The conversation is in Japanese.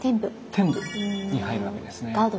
天部に入るわけですね。